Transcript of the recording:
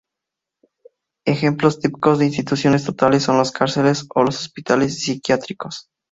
Ejemplos típicos de instituciones totales son las cárceles o los hospitales psiquiátricos.